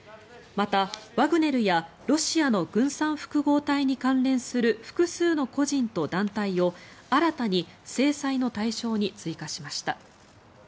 また、ワグネルやロシアの軍産複合体に関連する複数の個人と団体を新たに制裁の対象に追加しました。